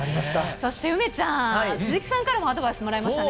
そして梅ちゃん、鈴木さんからもアドバイスもらいましたね。